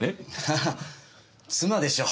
ああ妻でしょう。